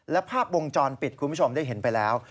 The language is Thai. และภาพวงจรปิดคุณผู้ชมได้เห็นไปแล้ว